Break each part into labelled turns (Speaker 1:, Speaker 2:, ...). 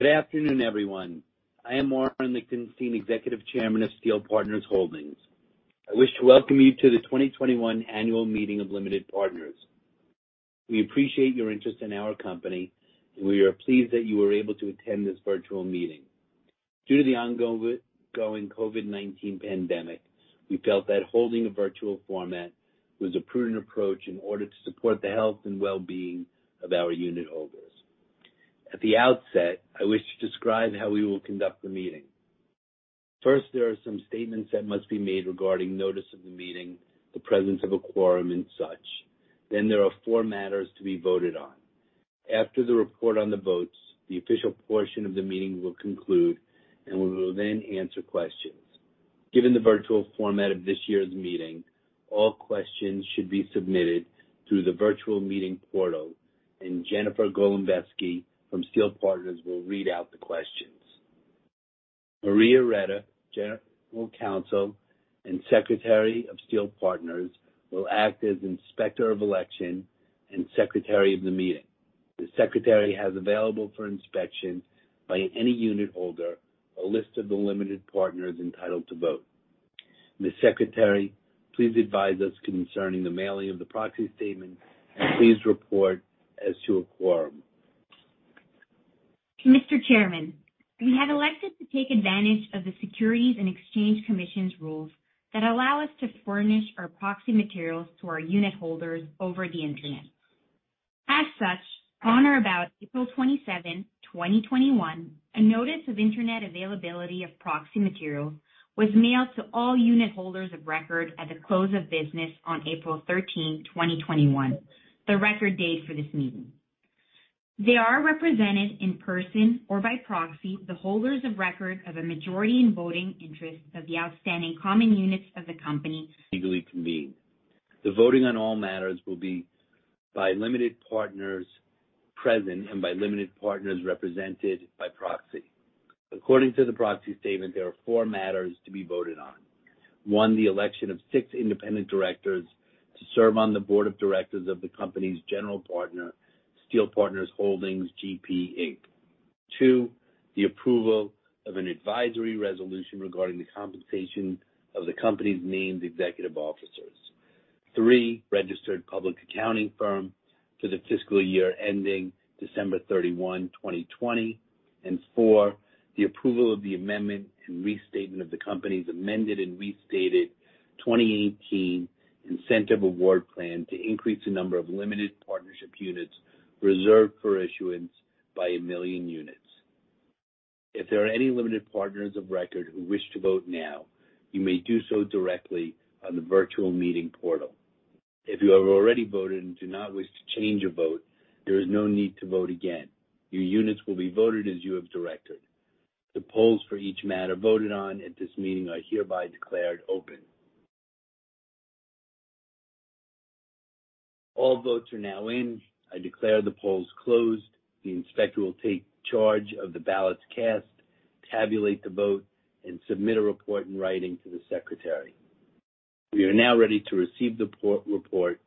Speaker 1: Good afternoon, everyone. I am Warren Lichtenstein, Executive Chairman of Steel Partners Holdings. I wish to welcome you to the 2021 Annual Meeting of Limited Partners. We appreciate your interest in our company, and we are pleased that you were able to attend this virtual meeting. Due to the ongoing COVID-19 pandemic, we felt that holding a virtual format was a prudent approach in order to support the health and wellbeing of our unit holders. At the outset, I wish to describe how we will conduct the meeting. First, there are some statements that must be made regarding notice of the meeting, the presence of a quorum, and such. There are four matters to be voted on. After the report on the votes, the official portion of the meeting will conclude, and we will then answer questions. Given the virtual format of this year's meeting, all questions should be submitted through the virtual meeting portal, and Jennifer Golembeske from Steel Partners will read out the questions. Maria Reda, General Counsel and Secretary of Steel Partners, will act as Inspector of Election and Secretary of the meeting. The Secretary has available for inspection by any unit holder, a list of the limited partners entitled to vote. Ms. Secretary, please advise us concerning the mailing of the proxy statements and please report as to a quorum.
Speaker 2: Mr. Chairman, we have elected to take advantage of the Securities and Exchange Commission's rules that allow us to furnish our proxy materials to our unit holders over the internet. As such, on or about April 27th, 2021, a notice of internet availability of proxy materials was mailed to all unit holders of record at the close of business on April 13th, 2021, the record date for this meeting. They are represented in person or by proxy, the holders of record of a majority in voting interest of the outstanding common units of the company.
Speaker 1: Legally convened. The voting on all matters will be by limited partners present and by limited partners represented by proxy. According to the proxy statement, there are four matters to be voted on. One, the election of six independent directors to serve on the board of directors of the company's general partner, Steel Partners Holdings GP, Inc. Two, the approval of an advisory resolution regarding the compensation of the company's named executive officers. Three, registered public accounting firm for the fiscal year ending December 31, 2020, and four, the approval of the amendment and restatement of the company's amended and restated 2018 Incentive Award Plan to increase the number of limited partnership units reserved for issuance by a million units. If there are any limited partners of record who wish to vote now, you may do so directly on the virtual meeting portal. If you have already voted and do not wish to change your vote, there is no need to vote again. Your units will be voted as you have directed. The polls for each matter voted on at this meeting are hereby declared open. All votes are now in. I declare the polls closed. The inspector will take charge of the ballots cast, tabulate the vote, and submit a report in writing to the Secretary. We are now ready to receive the report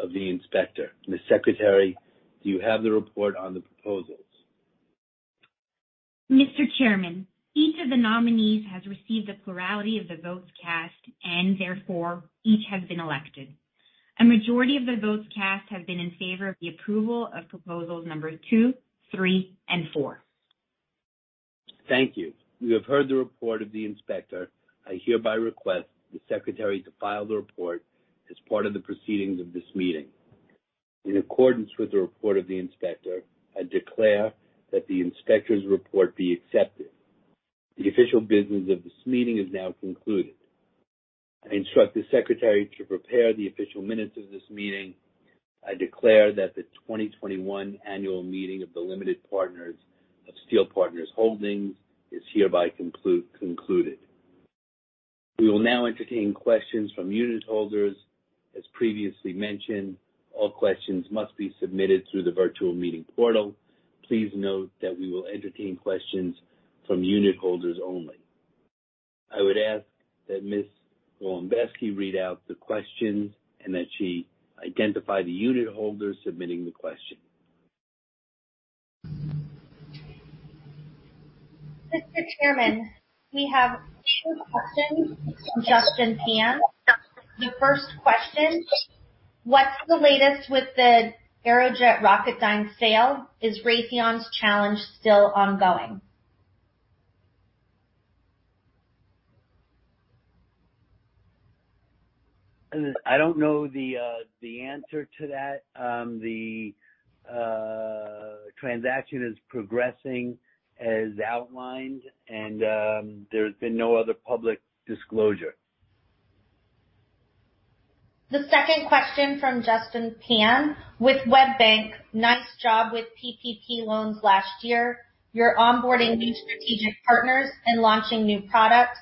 Speaker 1: of the inspector. Ms. Secretary, do you have the report on the proposals?
Speaker 2: Mr. Chairman, each of the nominees has received a plurality of the votes cast and therefore each has been elected. A majority of the votes cast have been in favor of the approval of proposal number two, three, and four.
Speaker 1: Thank you. You have heard the report of the inspector. I hereby request the secretary to file the report as part of the proceedings of this meeting. In accordance with the report of the inspector, I declare that the inspector's report be accepted. The official business of this meeting is now concluded. I instruct the secretary to prepare the official minutes of this meeting. I declare that the 2021 annual meeting of the limited partners of Steel Partners Holdings is hereby concluded. We will now entertain questions from unit holders. As previously mentioned, all questions must be submitted through the virtual meeting portal. Please note that we will entertain questions from unit holders only. I would ask that Ms. Golembeske read out the questions and that she identify the unit holder submitting the question.
Speaker 3: Mr. Chairman, we have two questions from Justin Pan. The first question, what's the latest with the Aerojet Rocketdyne sale? Is Raytheon's challenge still ongoing?
Speaker 1: I don't know the answer to that. The transaction is progressing as outlined and there's been no other public disclosure.
Speaker 3: The second question from Justin Pan. With WebBank, nice job with PPP loans last year. You're onboarding new strategic partners and launching new products,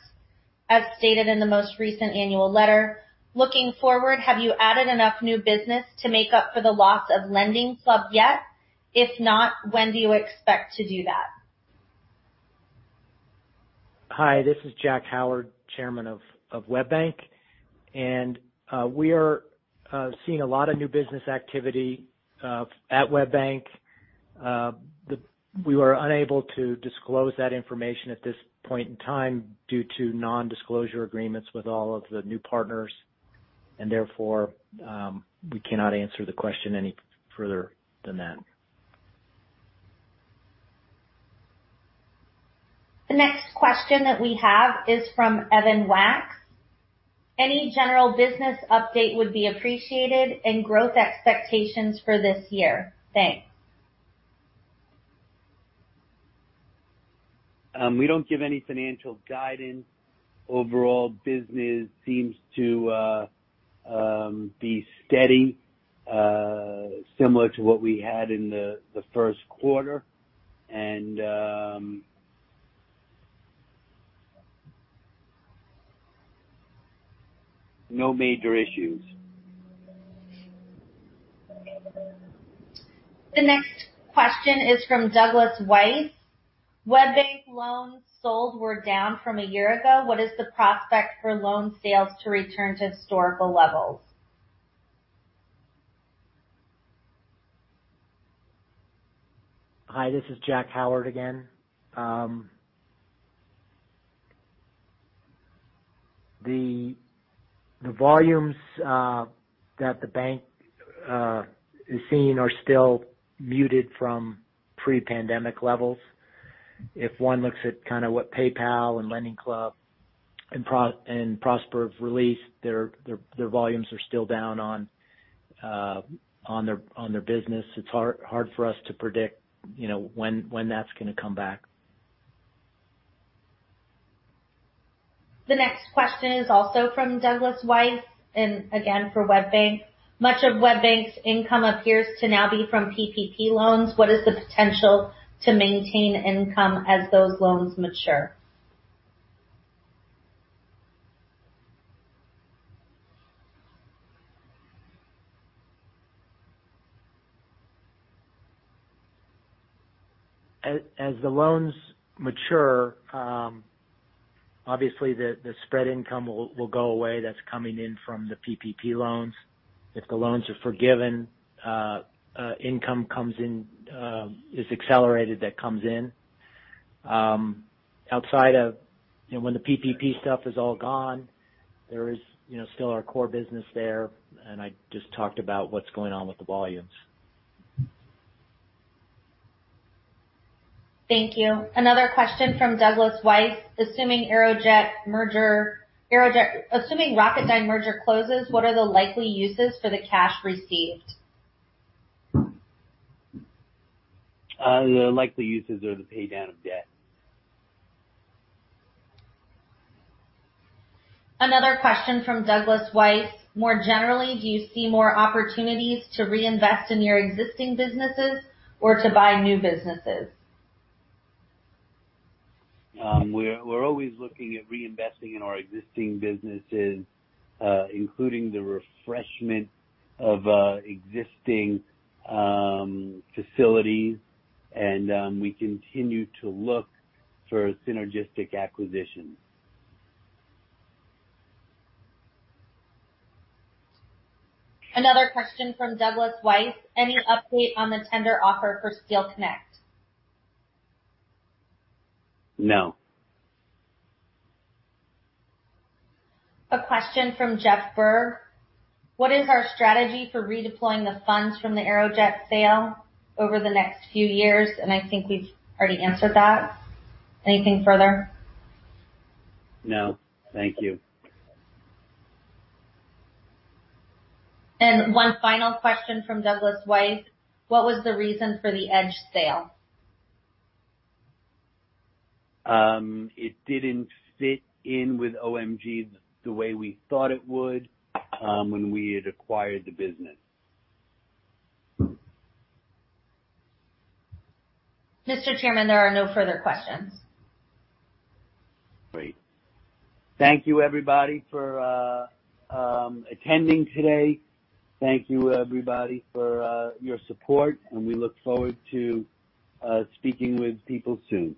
Speaker 3: as stated in the most recent annual letter. Looking forward, have you added enough new business to make up for the loss of LendingClub yet? If not, when do you expect to do that?
Speaker 4: Hi, this is Jack Howard, Chairman of WebBank, and we are seeing a lot of new business activity at WebBank. We are unable to disclose that information at this point in time due to non-disclosure agreements with all of the new partners, and therefore, we cannot answer the question any further than that.
Speaker 3: The next question that we have is from Evan Wax. Any general business update would be appreciated and growth expectations for this year. Thanks.
Speaker 1: We don't give any financial guidance. Overall business seems to be steady, similar to what we had in the first quarter and no major issues.
Speaker 3: The next question is from Douglas Weiss. WebBank loans sold were down from a year ago. What is the prospect for loan sales to return to historical levels?
Speaker 4: Hi, this is Jack Howard again. The volumes that the bank is seeing are still muted from pre-pandemic levels. If one looks at what PayPal and LendingClub and Prosper have released, their volumes are still down on their business. It's hard for us to predict when that's going to come back.
Speaker 3: The next question is also from Douglas Weiss and again for WebBank. Much of WebBank's income appears to now be from PPP loans. What is the potential to maintain income as those loans mature?
Speaker 4: As the loans mature, obviously the spread income will go away that's coming in from the PPP loans. If the loans are forgiven, income is accelerated that comes in. Outside of when the PPP stuff is all gone, there is still our core business there, and I just talked about what's going on with the volumes.
Speaker 3: Thank you. Another question from Douglas Weiss. Assuming Aerojet Rocketdyne merger closes, what are the likely uses for the cash received?
Speaker 1: The likely uses are the pay down of debt.
Speaker 3: Another question from Douglas Weiss. More generally, do you see more opportunities to reinvest in your existing businesses or to buy new businesses?
Speaker 1: We're always looking at reinvesting in our existing businesses, including the refreshment of existing facilities, and we continue to look for synergistic acquisitions.
Speaker 3: Another question from Douglas Weiss. Any update on the tender offer for Steel Connect?
Speaker 1: No.
Speaker 3: A question from Jeff Burr. What is our strategy for redeploying the funds from the Aerojet sale over the next few years? I think we've already answered that. Anything further?
Speaker 1: No, thank you.
Speaker 3: One final question from Douglas Weiss. What was the reason for the Edge sale?
Speaker 1: It didn't fit in with OMG the way we thought it would when we had acquired the business.
Speaker 3: Mr. Chairman, there are no further questions.
Speaker 1: Great. Thank you everybody for attending today. Thank you everybody for your support, and we look forward to speaking with people soon.